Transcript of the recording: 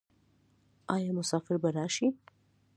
آیا مسافر به راشي؟